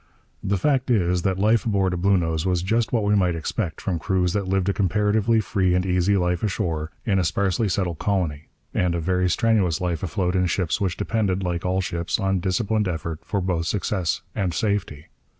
The fact is, that life aboard a Bluenose was just what we might expect from crews that lived a comparatively free and easy life ashore in a sparsely settled colony, and a very strenuous life afloat in ships which depended, like all ships, on disciplined effort for both success and safety.